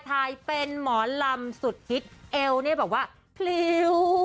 ถ่ายเป็นหมอนลำสุดฮิตเอวบอกว่าพลิ้ว